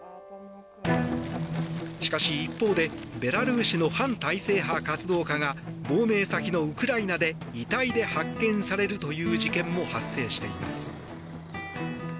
しかし一方でベラルーシの反体制派活動家が亡命先のウクライナで遺体で発見されるという事件も発生しています。